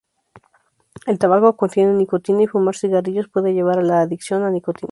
El tabaco contiene nicotina y fumar cigarrillos puede llevar a la adicción a nicotina.